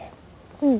うん。